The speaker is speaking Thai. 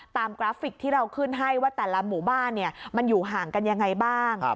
กราฟิกที่เราขึ้นให้ว่าแต่ละหมู่บ้านมันอยู่ห่างกันยังไงบ้าง